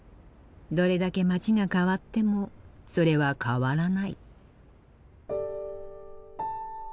どれだけ街が変わってもそれは変わらない。